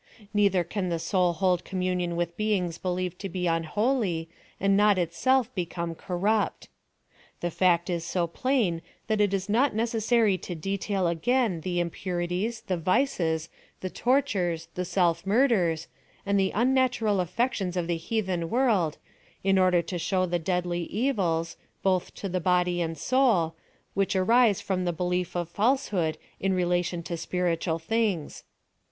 — neither can the soul hold communion with beings believed to be unholy and not itself become corrupt. The fact is so plain that it is not necessa ry to detail again the impurities, the vices, the tor tnres, the self murders, and the unnatural affections of the heathen v/orld, in order to show the deadly evils, both to the body and soul, which arise from the belief of falsehood in relation to spiritual things.